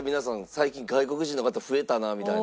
最近外国人の方増えたなみたいな。